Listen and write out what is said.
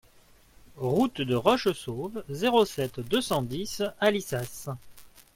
Route de Rochessauve, zéro sept, deux cent dix Alissas